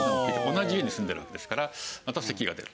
同じ家に住んでるんですからまた咳が出る。